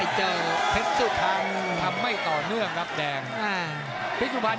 ดูตลอดด้วย